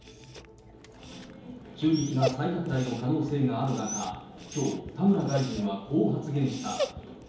急激な再拡大の可能性がある中、きょう、田村大臣はこう発言した。